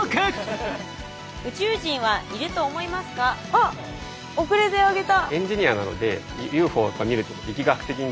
あっ遅れて挙げた。